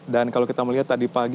dan kalau kita melihat tadi pagi